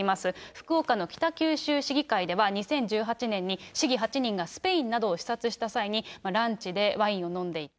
福岡の北九州市議会では２０１８年に市議８人がスペインなどを視察した際に、ランチでワインを飲んでいた。